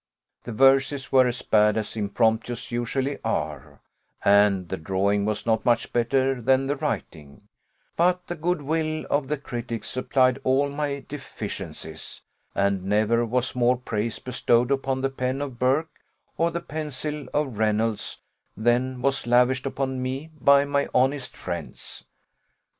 The verses were as bad as impromptus usually are, and the drawing was not much better than the writing; but the good will of the critics supplied all my deficiencies; and never was more praise bestowed upon the pen of Burke, or the pencil of Reynolds, than was lavished upon me by my honest friends.